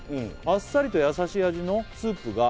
「あっさりと優しい味のスープが」